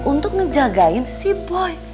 untuk ngejagain si boy